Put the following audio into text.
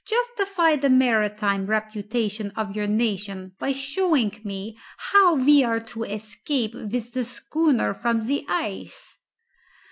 Justify the maritime reputation of your nation by showing me how we are to escape with the schooner from the ice."